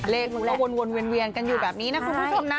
มันก็วนเวียนกันอยู่แบบนี้นะคุณผู้ชมนะ